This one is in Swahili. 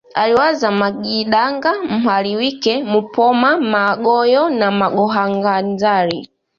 aliwazaa magidanga Mhalwike Mupoma Magoyo na Magohaganzali